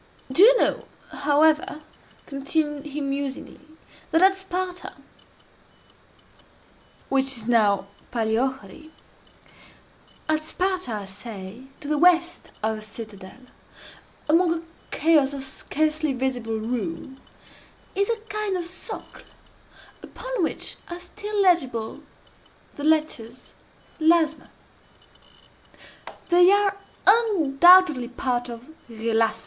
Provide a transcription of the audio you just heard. Do you know, however," continued he musingly, "that at Sparta (which is now Palæochori,) at Sparta, I say, to the west of the citadel, among a chaos of scarcely visible ruins, is a kind of socle, upon which are still legible the letters ΛΑΞΜ. They are undoubtedly part of ΓΕΛΑΞΜΑ.